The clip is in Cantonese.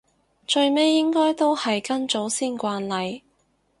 最尾應該都係跟祖先慣例